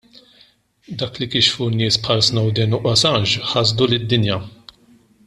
Dak li kixfu nies bħal Snowden u Assange ħasad lid-dinja.